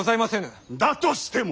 だとしても！